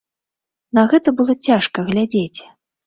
На гэта было цяжка глядзець.